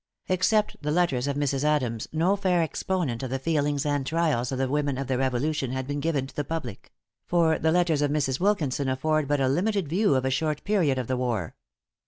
Except the Letters of Mrs. Adams, no fair exponent of the feelings and trials of the women of the Revolution had been given to the public; for the Letters of Mrs. Wilkinson afford but a limited view of a short period of the war.